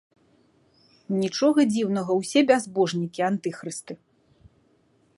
Нічога дзіўнага, усе бязбожнікі, антыхрысты.